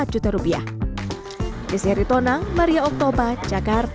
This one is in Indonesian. juta rupiah di seri tonang maria oktober jakarta